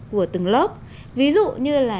của từng lớp ví dụ như là